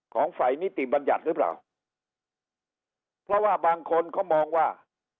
ของฝ่ายนิติบัญญัติหรือเปล่าเพราะว่าบางคนเขามองว่า